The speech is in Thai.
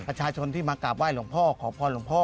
ประชาชนที่มากราบไห้หลวงพ่อขอพรหลวงพ่อ